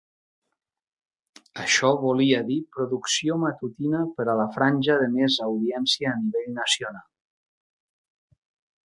Això volia dir producció matutina per a la franja de mes audiència a nivell nacional.